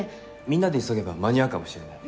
みんなで急げば間に合うかもしれない。